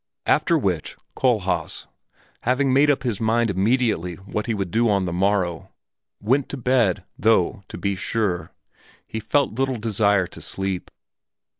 After which, Kohlhaas, having made up his mind immediately what he would do on the morrow, went to bed, though, to be sure, he felt little desire to sleep.